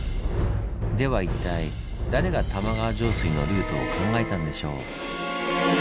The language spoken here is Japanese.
では一体誰が玉川上水のルートを考えたんでしょう？